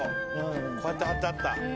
こうやってはってあった。